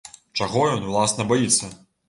Чаго ён, уласна, баіцца?